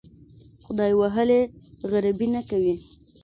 خدای وهلي غریبي نه کوي.